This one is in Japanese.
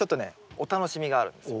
お楽しみがあるんですよね。